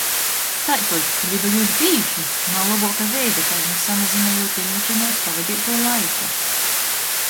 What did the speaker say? Taitod, lidojūt bīži, nav lobuoka veida, kai viņ samazynojūt lidmašynuos pavadeitū laiku.